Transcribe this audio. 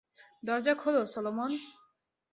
দরজা খোলো, সলোমন!